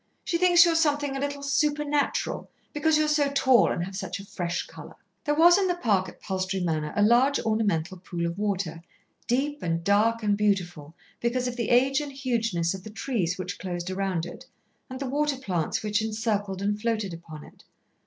"She thinks you are something a little supernatural, because you are so tall and have such a fresh colour." There was in the park at Palstrey Manor a large ornamental pool of water, deep and dark and beautiful because of the age and hugeness of the trees which closed around it, and the water plants which encircled and floated upon it.